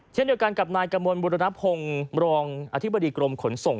เช่นเดียวกันกับนายกระมวลบุรณพงศ์รองอธิบดีกรมขนส่ง